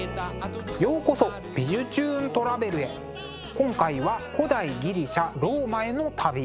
今回は古代ギリシャ・ローマへの旅。